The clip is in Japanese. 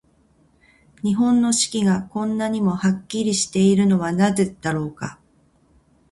日本の四季が、こんなにもはっきりしているのはなぜだろうか。